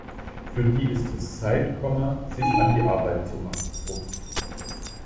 Für die ist es Zeit, sich an die Arbeit zu machen.